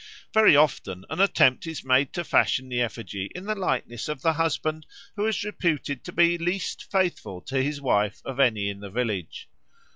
Very often an attempt is made to fashion the effigy in the likeness of the husband who is reputed to be least faithful to his wife of any in the village.